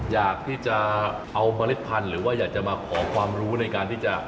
อยากที่จะเอาเมล็ดพันธุ์หรือว่าอยากจะมาขอความรู้ในการที่จะ